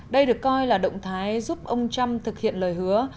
đây được coi là động thái giúp ông trump thực hiện lời hứa